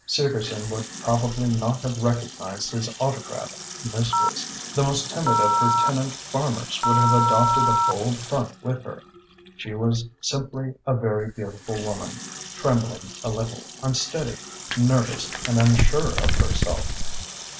Segerson would probably not have recognised his autocratic mistress. The most timid of her tenant farmers would have adopted a bold front with her. She was simply a very beautiful woman, trembling a little, unsteady, nervous and unsure of herself.